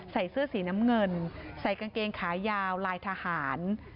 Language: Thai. ใส่เสื้อสีน้ำเงินใส่กางเกงขายาวลายทหาร